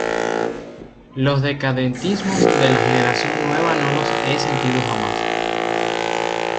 los decadentismos de la generación nueva no los he sentido jamás.